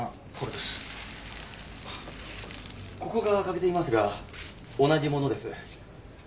ここが欠けていますが同じものです。